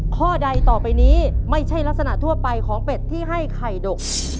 ข้อใดต่อไปนี้ไม่ใช่ลักษณะทั่วไปของเป็ดที่ให้ไข่ดก